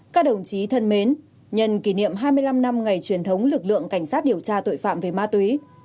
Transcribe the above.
các đồng chí thân mến nhân kỷ niệm hai mươi năm năm ngày truyền thống lực lượng cảnh sát điều tra tội phạm về ma túy